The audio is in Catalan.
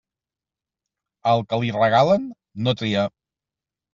Al que li regalen, no tria.